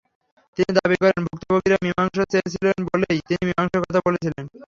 তিনি দাবি করেন, ভুক্তভোগীরা মীমাংসা চেয়েছিলেন বলেই তিনি মীমাংসার কথা বলেছিলেন।